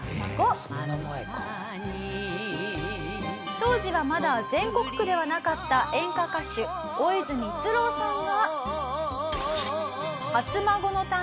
当時はまだ全国区ではなかった演歌歌手大泉逸郎さんが。